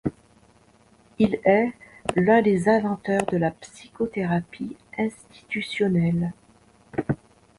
Il est l'un des inventeurs de la psychothérapie institutionnelle.